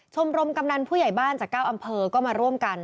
ชมรมกำนันผู้ใหญ่บ้านจาก๙อำเภอก็มาร่วมกัน